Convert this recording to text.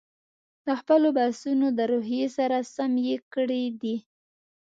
د خپلو بحثونو د روحیې سره سم یې کړي دي.